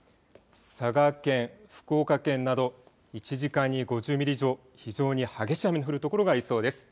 佐賀県、福岡県など１時間に５０ミリ以上、非常に激しい雨の降る所がありそうです。